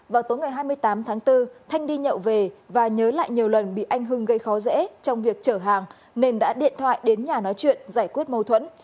vào tối ngày hai mươi tám tháng bốn thanh đi nhậu về và nhớ lại nhiều lần bị anh hưng gây khó dễ trong việc chở hàng nên đã điện thoại đến nhà nói chuyện giải quyết mâu thuẫn